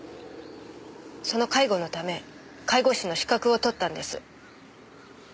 その介護のため介護士の資格を取ったんです。